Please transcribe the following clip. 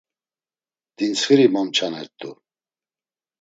Dintsxiri momçanert̆u!